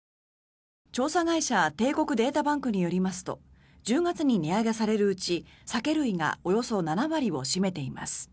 調査会社帝国データバンクによりますと１０月に値上げされるうち酒類がおよそ７割を占めています。